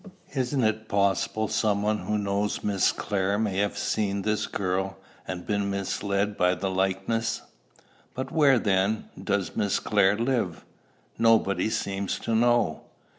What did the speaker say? "Isn't it possible some one who knows Miss Clare may have seen this girl, and been misled by the likeness?" "But where, then, does Miss Clare live? Nobody seems to know."